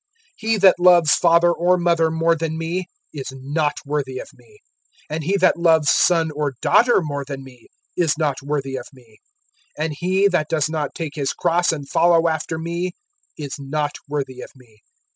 (37)He that loves father or mother more than me, is not worthy of me; and he that loves son or daughter more than me, is not worthy of me. (38)And he that does not take his cross and follow after me, is not worthy of me.